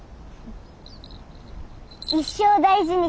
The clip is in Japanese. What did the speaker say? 一生大事にします。